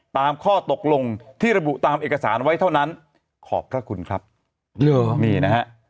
ตามข้อตกลงที่ระบุตามเอกสารไว้เท่านั้นขอบพระคุณครับเหรอนี่นะฮะ